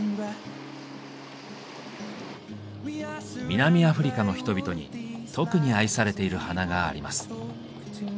南アフリカの人々に特に愛されている花があります。